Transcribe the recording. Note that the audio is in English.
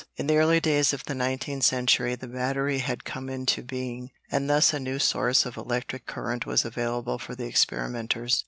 In the early days of the nineteenth century the battery had come into being, and thus a new source of electric current was available for the experimenters.